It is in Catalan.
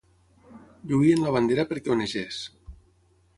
Lluïen la bandera perquè onegés.